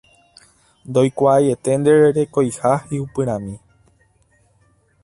Ndoikuaaiete ndererekoiha hi'upyrãmi.